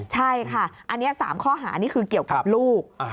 ใช่ค่ะอันนี้๓ข้อหานี่คือเกี่ยวกับลูก